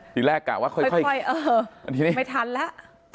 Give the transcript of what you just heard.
ทีแรกกลัวว่าค่อยไม่ทันแล้ว